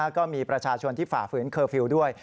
ก็มีประชาชนที่ฝ่าฝืนเคอร์ฟิลล์ด้วย